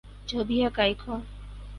جو بھی حقائق ہوں۔